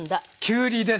きゅうりです！